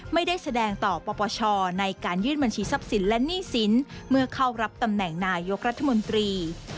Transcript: ไม่ได้แสดงต่อปปชในการยื่นบัญชีทรัพย์สินและหนี้สินเมื่อเข้ารับตำแหน่งนายกรัฐมนตรี